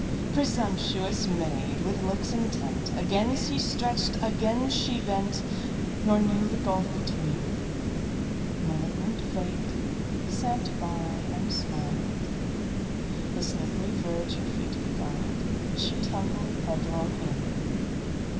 Presumptuous maid! with looks intentAgain she stretch'd, again she bent, Nor knew the gulf between—Malignant Fate sat by and smiled—The slippery verge her feet beguiled; She tumbled headlong in!